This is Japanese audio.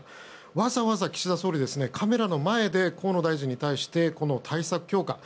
わざわざ岸田総理、カメラの前で河野大臣に対して、対策強化。